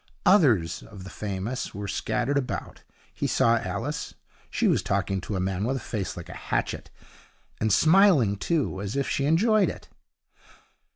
Others of the famous were scattered about. He saw Alice. She was talking to a man with a face like a hatchet, and smiling, too, as if she enjoyed it.